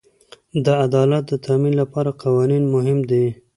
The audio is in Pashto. د عدالت د تامین لپاره قوانین مهم دي.